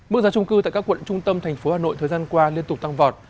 mức giá trung cư tại các quận trung tâm tp hcm thời gian qua liên tục tăng vọt